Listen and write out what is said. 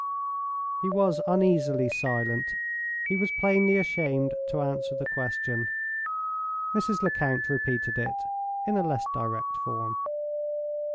He was uneasily silent—he was plainly ashamed to answer the question. Mrs. Lecount repeated it in a less direct form.